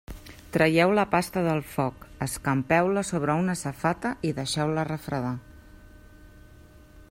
Traieu la pasta del foc, escampeu-la sobre una safata i deixeu-la refredar.